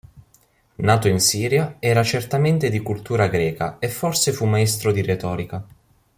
Nato in Siria, era certamente di cultura greca e forse fu maestro di retorica.